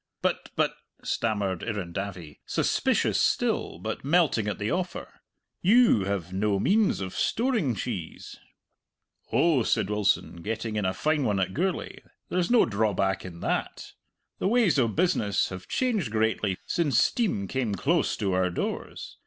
"But but," stammered Irrendavie, suspicious still, but melting at the offer, "you have no means of storing cheese." "Oh," said Wilson, getting in a fine one at Gourlay, "there's no drawback in that! The ways o' business have changed greatly since steam came close to our doors.